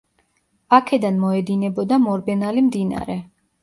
აქედან მოედინებოდა მორბენალი მდინარე.